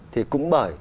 thì cũng bởi